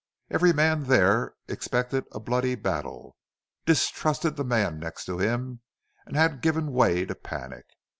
Every man there expected a bloody battle distrusted the man next to him and had given way to panic.